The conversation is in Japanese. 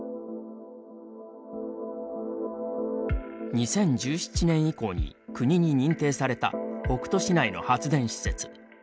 ２０１７年以降に国に認定された北杜市内の発電施設。